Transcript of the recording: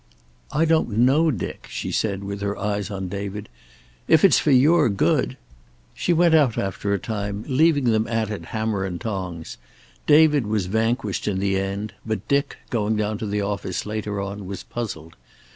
"I don't know, Dick," she said, with her eyes on David. "If it's for your good " She went out after a time, leaving them at it hammer and tongs. David was vanquished in the end, but Dick, going down to the office later on, was puzzled.